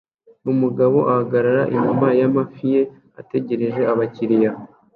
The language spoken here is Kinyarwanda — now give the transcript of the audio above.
Umugabo ahagarara inyuma y amafi ye ategereje abakiriya